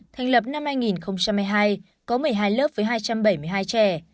thành lập năm hai nghìn hai mươi hai có một mươi hai lớp với hai trăm bảy mươi hai trẻ